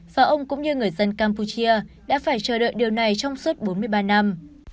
và ông cũng như người dân campuchia đã phải chờ đợi điều này trong suốt bốn mươi ba năm